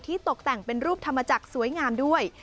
ตกแต่งเป็นรูปธรรมจักรสวยงามด้วย